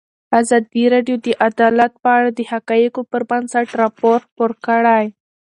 ازادي راډیو د عدالت په اړه د حقایقو پر بنسټ راپور خپور کړی.